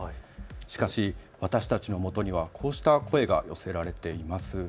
しかし私たちのもとにはこうした声が寄せられています。